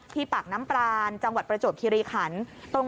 ที่ปากน้ำปรานจังหวัดประโจทย์คิริขันต์